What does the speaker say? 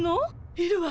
いるわ。